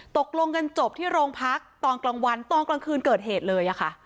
ตกลงกันจบที่โรงพักตอนกลางวันตอนกลางคืนเกิดเหตุเลยค่ะ